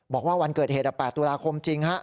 บอกว่าวันเกิดเหตุ๘ตุลาคมจริงฮะ